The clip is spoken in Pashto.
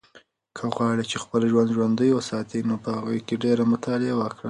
که غواړې چې خپله ژبه ژوندۍ وساتې نو په هغې کې ډېره مطالعه وکړه.